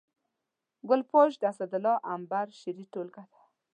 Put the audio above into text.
ګل پاش د اسدالله امبر شعري ټولګه ده